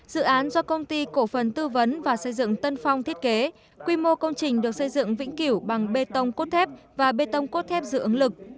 dự án do công ty cổ phần tư vấn và xây dựng tân phong thiết kế quy mô công trình được xây dựng vĩnh kiểu bằng bê tông cốt thép và bê tông cốt thép dự ứng lực